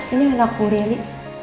ini enggak kuria ri